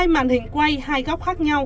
hai màn hình quay hai góc khác nhau